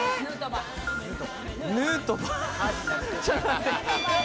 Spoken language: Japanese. ヌートバー。